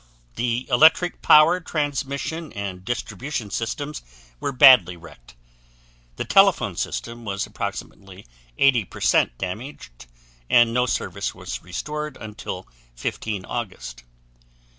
The electric power transmission and distribution systems were badly wrecked. The telephone system was approximately 80% damaged, and no service was restored until 15 August.